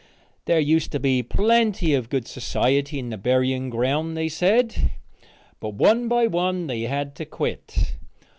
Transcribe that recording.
There used to be plenty of good society in the burying ground, they said, but one by one they had to quit.